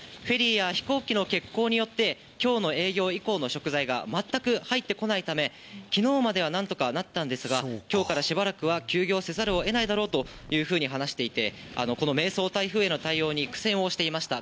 昨夜、居酒屋や焼肉屋などを取材したんですけれども、フェリーや飛行機の欠航によって今日の営業以降の食材が全く入ってこないため、昨日までは何とかなったんですが、今日からしばらくは休業せざるを得ないだろうというふうに話していて、この迷走台風への対応に苦戦していました。